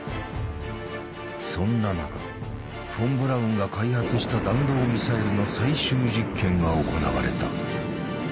そんな中フォン・ブラウンが開発した弾道ミサイルの最終実験が行われた。